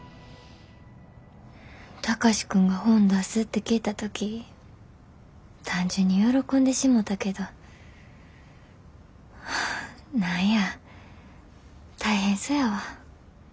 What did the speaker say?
貴司君が本出すって聞いた時単純に喜んでしもたけどはあ何や大変そやわ。